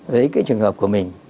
lấy cái trường hợp của mình